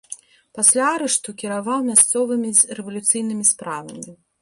Пасля арышту кіраваў мясцовымі рэвалюцыйнымі справамі.